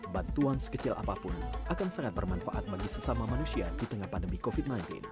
bantuan sekecil apapun akan sangat bermanfaat bagi sesama manusia di tengah pandemi covid sembilan belas